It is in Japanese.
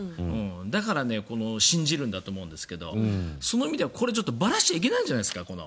だから、信じるんだと思うんですけどその意味ではばらしちゃいけないんじゃないですか。